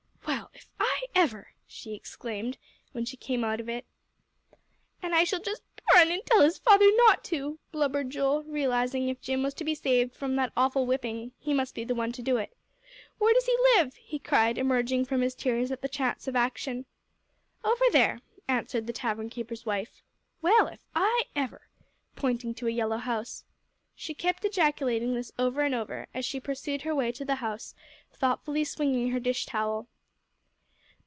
"Well, if I ever!" she exclaimed, when she came out of it. "And I shall just run and tell his father not to," blubbered Joel, realizing if Jim was to be saved from that awful whipping, he must be the one to do it. "Where does he live?" he cried, emerging from his tears at the chance of action. "Over there," answered the tavern keeper's wife. "Well, if I ever!" pointing to a yellow house. She kept ejaculating this over and over, as she pursued her way to the house, thoughtfully swinging her dish towel.